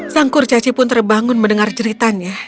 sang kurcaci pun terbangun mendengar jeritannya